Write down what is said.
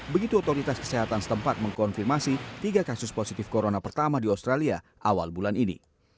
begitu otoritas kesehatan setempat mengkonfirmasi tiga kasus positif corona pertama di australia awal bulan ini